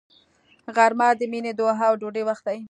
غرمه د مینې، دعا او ډوډۍ وخت دی